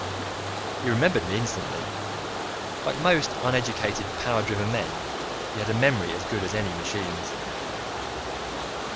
He remembered me instantly; like most uneducated, power driven men, he had a memory as good as any machine's.